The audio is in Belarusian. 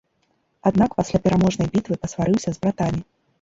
Аднак пасля пераможнай бітвы пасварыўся з братамі.